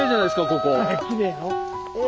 ここ。